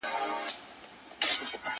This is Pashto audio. له خولې دي د رقیب د حلوا بوئ راځي ناصحه٫